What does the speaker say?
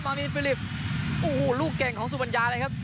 มามีนฟิลิปโอ้โหลูกเก่งของสุบัญญาเลยครับ